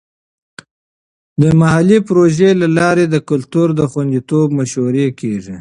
د محلي پروژو له لارې د کلتور د خوندیتوب مشورې کیږي.